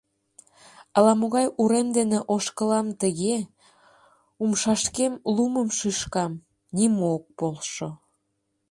— Ала-могай урем дене ошкылам тыге, умшашкем лумым шӱшкам — нимо ок полшо.